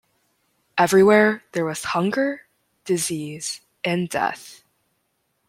Everywhere there was "hunger, disease and death".